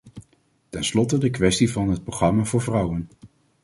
Ten slotte de kwestie van het programma voor vrouwen.